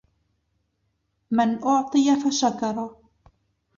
مَنْ أُعْطِيَ فَشَكَرَ